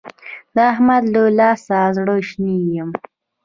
د احمد له لاسه زړه شنی يم.